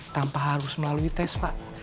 tanpa harus melalui tes pak